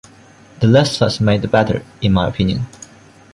The less fuss made the better, in my opinion.